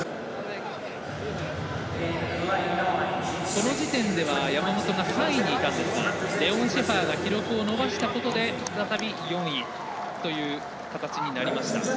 この時点では山本が３位にいたんですがレオン・シェファーが記録を伸ばしたことで再び４位という形になりました。